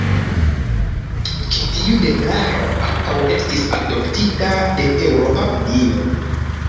Ĉi tiu deklaro ankaŭ estis adoptita de Eŭropa Unio.